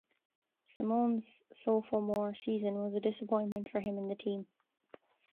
Simeon's sophomore season was a disappointment for him and the team.